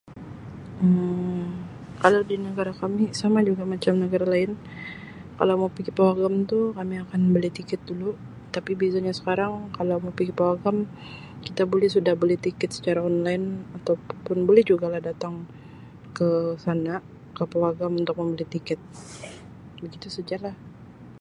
Um Kalau di negara kami sama juga macam negara lain kalau mau pigi pawagam tu kami akan beli tiket dulu tapi bezanya sekarang kalau mau pigi pawagam kita buli sudah beli tiket secara online atau pun boleh juga lah datang ke sana ke pawagam untuk membeli tiket begitu saja lah.